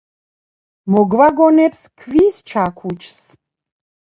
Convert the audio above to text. მოგვაგონებს „ქვის ჩაქუჩს“.